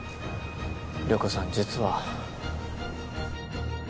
涼子さん実は。